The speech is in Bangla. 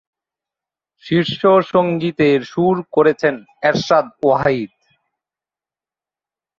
শীর্ষ সঙ্গীতের সুর করেছেন এরশাদ ওয়াহিদ।